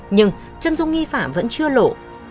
nhưng chân dung nghi phạm vẫn chưa lộ